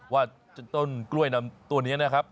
ว่าต้นกล้วยนำตัวนี้นะครับ